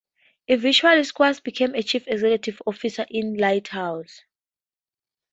Eventually, Schwartz became chief executive officer of Lighthouse.